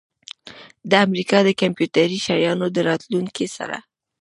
د امریکا د کمپیوټري شیانو د راتلونکي سره